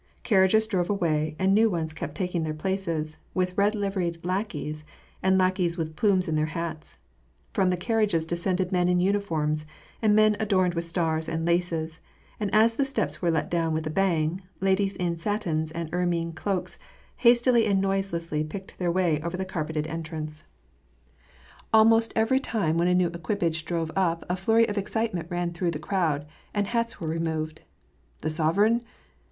Carriages drove away, and new ones kept taking their places, with red liveried lackeys, and lackeys with plumes in their hats. From the carriages descended men in uniforms, and men adorned with stars and laces ; and as the steps were let down with a bang, ladies in satins and ermine cloaks hastily and noiselessly picked their way over the carpeted entrance. 198 WAR AND PEACE, Almost every time when a new eqiiipiige drove up, a flurry of excitement ran through the crowd, and hats were removed. " The sovereign